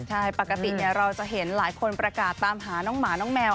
ใช่ปกติเราจะเห็นหลายคนประกาศตามหาน้องหมาน้องแมว